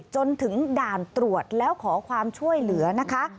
จนถึงด่านตรวจแล้วขอความช่วยเหลือนะคะ